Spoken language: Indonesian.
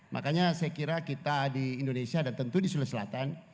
makanya saya kira kita di indonesia dan tentu di sulawesi selatan